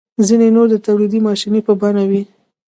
ځینې نور د تولیدي ماشین په بڼه وي.